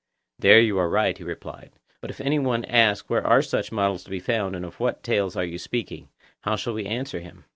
There you are right, he replied; but if any one asks where are such models to be found and of what tales are you speaking—how shall we answer him?